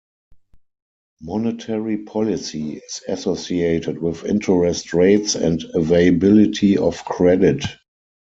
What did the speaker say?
Monetary policy is associated with interest rates and availability of credit.